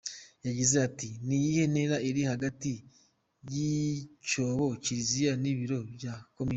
Yagize ati “Ni iyihe ntera iri hagati y’icyobo, Kiliziya n’ibiro bya komini.